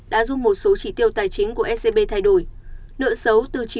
đã giúp một số chỉ tiêu tài chính của scb thay đổi